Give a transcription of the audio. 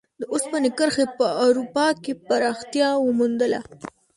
د اوسپنې کرښې په اروپا کې پراختیا وموندله.